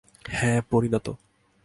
হ্যাঁ, পরিণত।